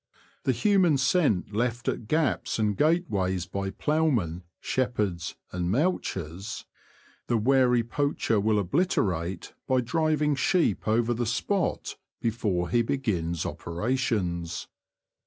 The human scent left at gaps and gateways by ploughmen, shepherds, and mouchers, the wary poacher will obliterate by driving sheep over the spot before he begins operations.